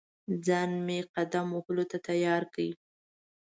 ځان مې قدم وهلو ته تیار کړ.